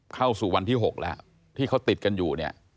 เข้าสู่วันที่๖แล้วที่เขาติดกันอยู่เนี่ย